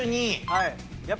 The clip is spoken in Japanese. はい。